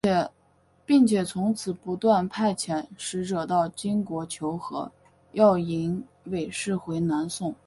并且从此不断派遣使者到金国求和要迎韦氏回南宋。